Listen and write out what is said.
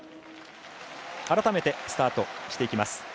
改めて、スタートしていきます。